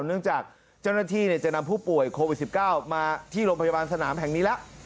เนื่องจากเจ้าหน้าที่จะนำผู้ป่วยโควิด๑๙มาที่โรงพยาบาลสนามแห่งนี้แล้ว